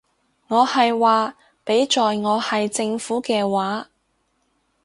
我係話，畀在我係政府嘅話